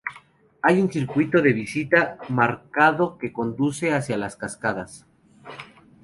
Hay un circuito de visita marcado que conduce hacia las cascadas.